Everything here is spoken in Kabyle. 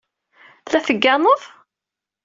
La tegganeḍ?